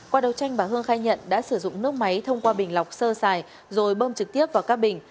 qua đầu tranh bà hương khai nhận đã sử dụng nước máy thông qua bình lọc sơ xài rồi bơm trực tiếp vào các bình